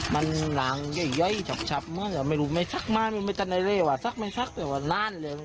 มันหลังเย้ยชับมากแต่ว่าไม่รู้ไม่ซักมากไม่รู้ไม่จัดไงเลยว่ะซักไม่ซักแต่ว่านานเลย